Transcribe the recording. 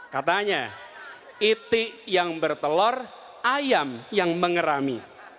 katanya itik yang bertelor ayam yang mengerami